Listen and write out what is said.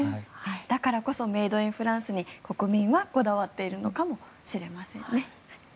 だからこそメイド・イン・フランスに国民はこだわっているのかもしれませんね。